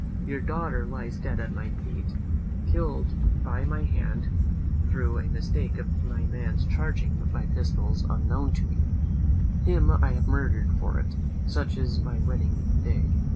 Your daughter lies dead at my feet, killed by my hand, through a mistake of my man's charging my pistols unknown to me. Him I have murdered for it. Such is my wedding day.